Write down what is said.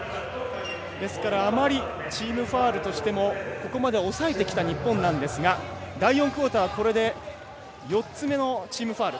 あまりチームファウルとしてもここまでは抑えてきた日本なんですが第４クオーター、これで４つ目のチームファウル。